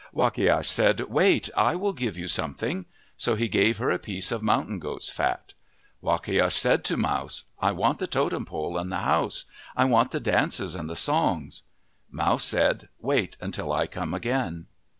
Wakiash said, " Wait. I will give you some thing." So he gave her a piece of mountain goat's fat. Wakiash said to Mouse, " I want the totem pole and the house. I want the dances and the songs." Mouse said, " Wait until I come again."